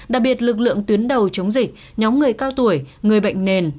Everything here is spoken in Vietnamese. đặc biệt lực lượng tuyến đầu chống dịch nhóm người cao tuổi người bệnh nền